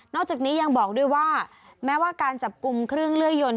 จากนี้ยังบอกด้วยว่าแม้ว่าการจับกลุ่มเครื่องเลื่อยยนต์